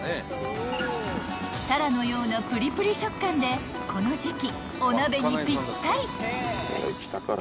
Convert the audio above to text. ［タラのようなぷりぷり食感でこの時季お鍋にぴったり］